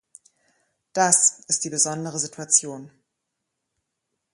Das ist die besondere Situation.